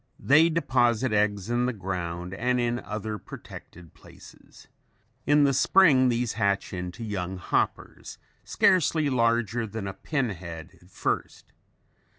They deposit eggs in the ground and in other protected places. In the spring these hatch into young "hoppers" scarcely larger than a pin head at first.